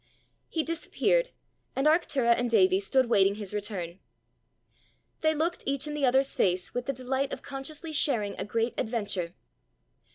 He disappeared, and Arctura and Davie stood waiting his return. They looked each in the other's face with the delight of consciously sharing a great adventure.